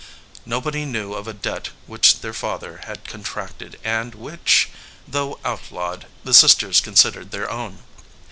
Nobody knew of a debt which their father had contracted and which, though outlawed, the sisters considered their own.